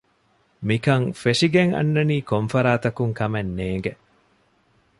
މިކަން ފެށިގެން އަންނަނީ ކޮށްފަރާތަކުން ކަމެއް ނޭނގެ